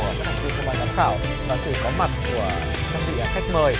ngô quang phúc với tác phẩm